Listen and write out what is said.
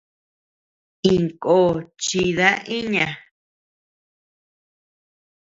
Iñkó chida iña.